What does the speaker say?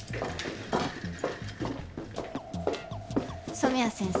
染谷先生